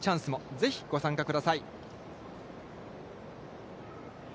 ぜひご参加ください！